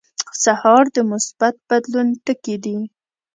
سهار د مثبت بدلون ټکي دي.